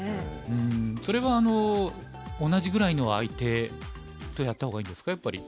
それは同じぐらいの相手とやった方がいいんですかやっぱり。